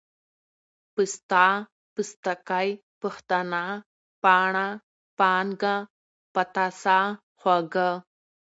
پسته ، پستکۍ ، پښتنه ، پاڼه ، پانگه ، پتاسه، خوږه،